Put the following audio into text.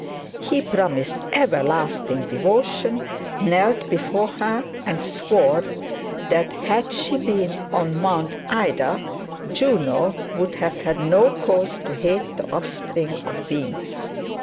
He promised everlasting devotion, knelt before her, and swore that had she been on Mount Ida, Juno would have no cause to hate the offspring of Venus.